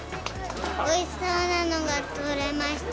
おいしそうなのが取れました。